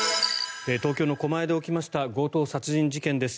東京の狛江で起きました強盗殺人事件です。